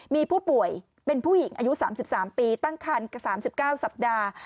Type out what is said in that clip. มีผู้ป่วยเป็นผู้หญิงอายุ๓๓ปีตั้งคันกับ๓๙สัปดาห์